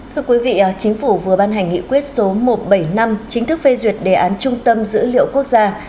thưa quý vị chính phủ vừa ban hành nghị quyết số một trăm bảy mươi năm chính thức phê duyệt đề án trung tâm dữ liệu quốc gia